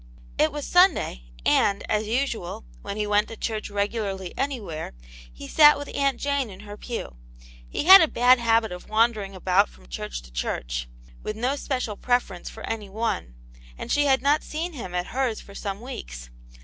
It was Sunday, and, as usual, when he went to church regularly anywhere, he sat with Aunt Jane in her pew. He had a bad habit of wandering about from church to church, with no special preference for any one, ahd she had not seen him at hers for some weeks.